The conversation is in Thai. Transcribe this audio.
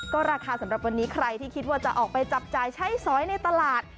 ก็ราคาสำหรับวันนี้ใครที่คิดว่าจะออกไปจับจ่ายใช้สอยในตลาด